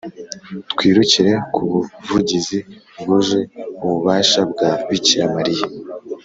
twirukire ku buvugizi bwuje ububasha bwa bikira mariya,